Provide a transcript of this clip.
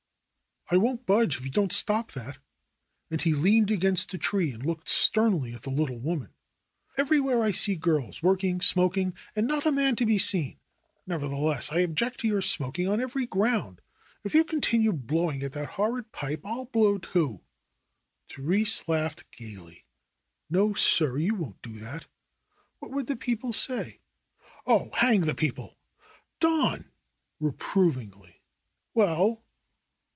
won't budge if you don't stop that." And he leaned against a tree and looked sternly at the little woman. ^^Everywhere I see girls working, smoking, and not a man to be seen. Nevertheless, I object to your smoking on every ground. If you continue blowing at that hor rible pipe I'll blow too." Therese laughed gaily. '^No, sir; you won't do that. What would the people say?" ' "Oh, hang the people !" "Don !'' reprovingly. "Well?"